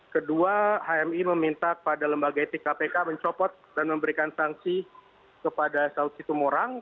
kedua hmi meminta kepada lembaga etik kpk mencopot dan memberikan sanksi kepada saud situmorang